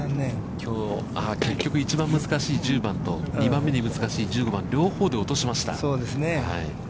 きょう、結局一番難しい１０番と、２番目に難しい１５番、両方で落としました。